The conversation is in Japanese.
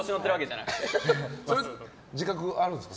自覚あるんですか？